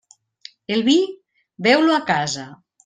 El vi, beu-lo a casa.